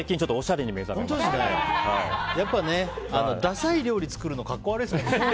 やっぱ、ダサい料理を作るの格好悪いですもんね。